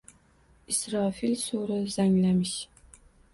Isrofil suri zanglamish